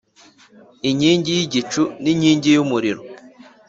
inkingi y igicu n inkingi y umuriro